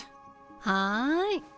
はい。